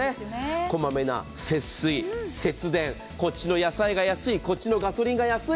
小まめな節水、節電、こっちの野菜が安いこっちのガソリンが安い。